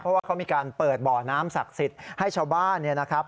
เพราะว่าเขามีการเปิดบ่อน้ำศักดิ์สิทธิ์ให้ชาวบ้านเนี่ยนะครับ